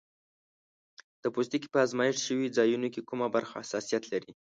د پوستکي په آزمېښت شوي ځایونو کې کومه برخه حساسیت لري؟